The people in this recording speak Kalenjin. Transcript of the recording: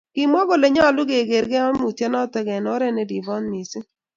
kimwa kole nyolu kegerr kaimutyenoto eng' oret neribiot mising.